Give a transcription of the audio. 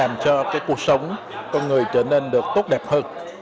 cần thiết để làm cho cuộc sống con người trở nên được tốt đẹp hơn